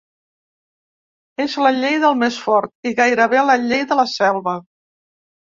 És la llei del més fort… i gairebé la llei de la selva.